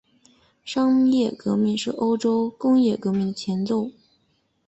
商业革命是欧洲工业革命的前奏。